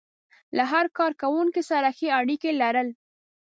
له هر کار کوونکي سره ښې اړيکې لرل.